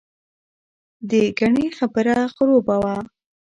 دګنې خبره خروبه وه.